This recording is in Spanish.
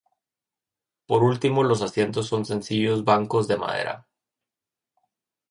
Por último los asientos son sencillos bancos de madera.